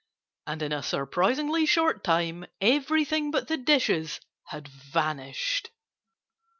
And in a surprisingly short time everything but the dishes had vanished.